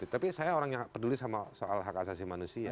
tapi saya orang yang peduli sama soal hak asasi manusia